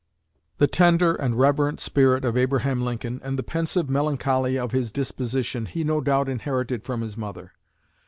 The tender and reverent spirit of Abraham Lincoln, and the pensive melancholy of his disposition, he no doubt inherited from his mother.